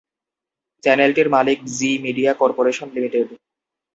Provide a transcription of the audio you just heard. চ্যানেলটির মালিক Zee media corporation limited.